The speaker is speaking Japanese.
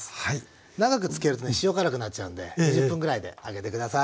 長くつけるとね塩辛くなっちゃうんで２０分くらいであげて下さい。